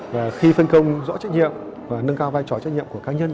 và khi phân công rõ trách nhiệm và nâng cao vai trò trách nhiệm của cá nhân